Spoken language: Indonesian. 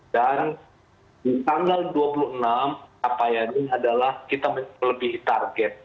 dan di tanggal dua puluh enam apa yang ini adalah kita melebihi target